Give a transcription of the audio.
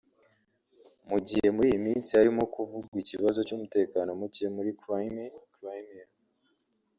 Mu gihe muri iyi minsi harimo kuvugwa ikibazo cy’umutekano muke muri Crimée/ Crimea